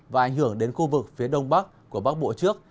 và ảnh hưởng đến khu vực phía đông bắc của bắc bộ trước